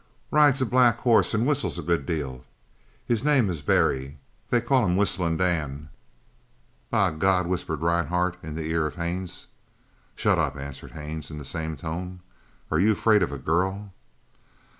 "Rides a black horse and whistles a good deal. His name is Barry. They call him Whistling Dan." "By God!" whispered Rhinehart in the ear of Haines. "Shut up!" answered Haines in the same tone. "Are you afraid of a girl?"